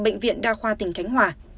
bệnh viện đa khoa tỉnh khánh hòa